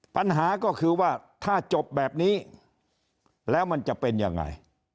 ปัญหาก็คือว่าถ้าจบแบบนี้แล้วมันจะเป็นยังไง